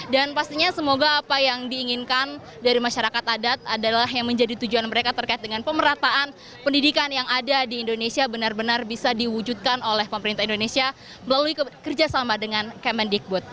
dan pastinya semoga apa yang diinginkan dari masyarakat adat adalah yang menjadi tujuan mereka terkait dengan pemerataan pendidikan yang ada di indonesia benar benar bisa diwujudkan oleh pemerintah indonesia melalui kerjasama dengan kemendikbud